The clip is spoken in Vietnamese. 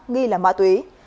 nghi là ma túy